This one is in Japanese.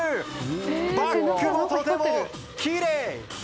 バックもとてもきれい！